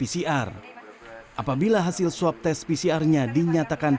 tujuh orang pemudik yang menjelaskan